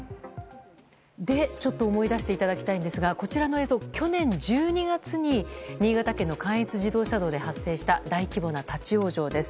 ちょっと思い出していただきたいんですがこちらの映像は去年１２月に新潟県の関越自動車道で発生した大規模な立ち往生です。